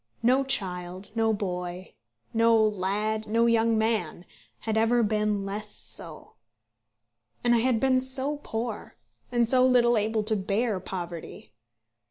No child, no boy, no lad, no young man, had ever been less so. And I had been so poor; and so little able to bear poverty.